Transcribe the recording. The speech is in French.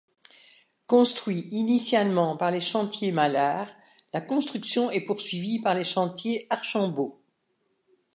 Construits initialement par les chantiers Mallard, la construction est poursuivie par les chantiers Archambault.